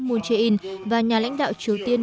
moon jae in và nhà lãnh đạo triều tiên